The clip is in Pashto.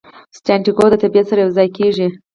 سانتیاګو د طبیعت سره یو ځای کیږي.